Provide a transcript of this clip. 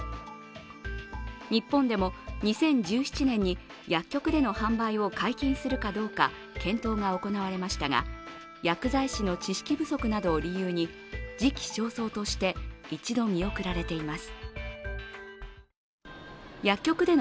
日本でも２０１７年に薬局での販売を解禁するかどうか検討が行われましたが、薬剤師の知識不足などを理由に時期尚早として一度見送られています。